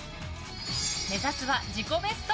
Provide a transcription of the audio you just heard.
目指すは自己ベスト。